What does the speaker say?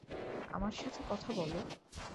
আমার সাথে কথা বল!